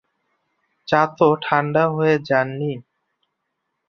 চা তো ঠাণ্ডা হয়ে যায় নি?